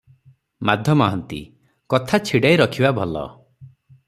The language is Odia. ମାଧ ମହାନ୍ତି- କଥା ଛିଡ଼ାଇ ରଖିବା ଭଲ ।